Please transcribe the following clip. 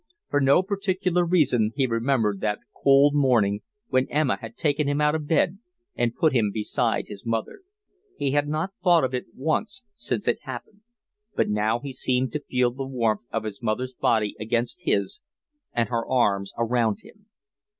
For no particular reason he remembered that cold morning when Emma had taken him out of bed and put him beside his mother. He had not thought of it once since it happened, but now he seemed to feel the warmth of his mother's body against his and her arms around him.